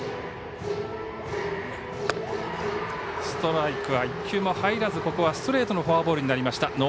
ストライクは１球も入らずここはストレートのフォアボールになりました。